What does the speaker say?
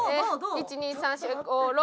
１２３４５６。